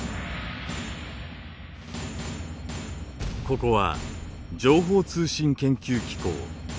ここは情報通信研究機構。